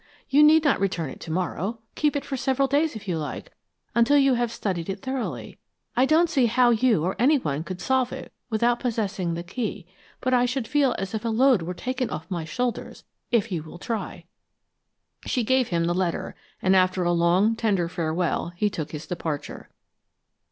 You need not return it to morrow. Keep it for several days, if you like, until you have studied it thoroughly. I don't see how you or any one could solve it without possessing the key, but I should feel as if a load were taken off my shoulders if you will try." She gave him the letter, and after a long, tender farewell, he took his departure.